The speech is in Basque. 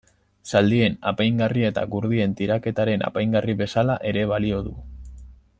Zaldien apaingarri eta gurdien tiraketaren apaingarri bezala ere balio du.